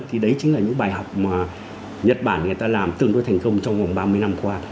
thì đấy chính là những bài học mà nhật bản người ta làm tương đối thành công trong vòng ba mươi năm qua